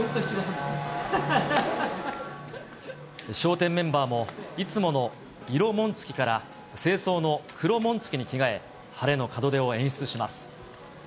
笑点メンバーも、いつもの色紋付きから、正装の黒紋付きに着替え、晴れの門出を演出します。